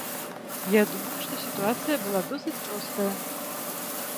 Я думаю, што сітуацыя была досыць простая.